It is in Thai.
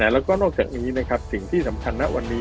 แล้วก็นอกจากนี้สิ่งที่สำคัญ